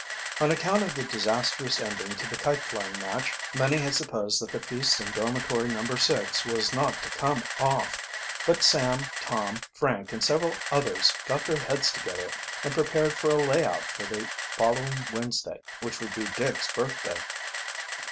On account of the disastrous ending to the kite flying match, many had supposed that the feast in Dormitory No. 6 was not to come off, but Sam, Tom, Frank, and several others got their heads together and prepared for a "layout" for the following Wednesday, which would be Dick's birthday.